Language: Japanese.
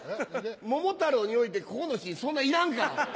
桃太郎においてここのシーンそんないらんから。